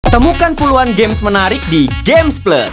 temukan puluhan games menarik di gamesplus